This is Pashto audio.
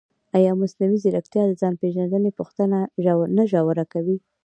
ایا مصنوعي ځیرکتیا د ځان پېژندنې پوښتنه نه ژوره کوي؟